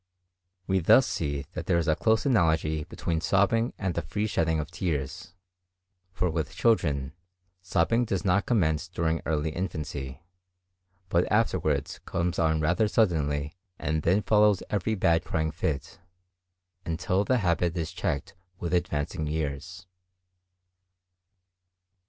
We thus see that there is a close analogy between sobbing and the free shedding of tears; for with children, sobbing does not commence during early infancy, but afterwards comes on rather suddenly and then follows every bad crying fit, until the habit is checked with advancing years.